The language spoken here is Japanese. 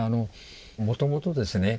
もともとですね